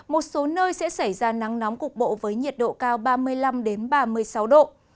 một số nơi sẽ xảy ra nắng nóng cục bộ với nhiệt độ cao ba mươi năm ba mươi sáu độ